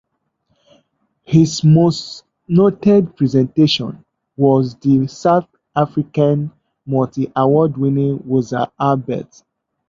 His most noted presentation was the South African, multi-award-winning Woza Albert!